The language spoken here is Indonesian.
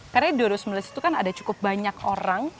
karena di dua ratus sembilan itu kan ada cukup banyak orang